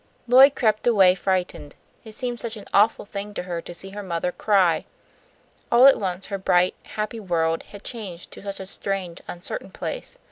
Lloyd crept away frightened. It seemed such an awful thing to see her mother cry. All at once her bright, happy world had changed to such a strange, uncertain place.